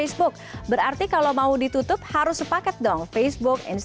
selamat pul ollie mbak rho